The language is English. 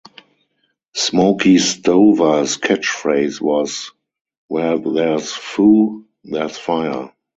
Smokey Stover's catch-phrase was "where there's foo, there's fire".